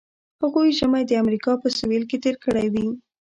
هغوی ژمی د امریکا په سویل کې تیر کړی وي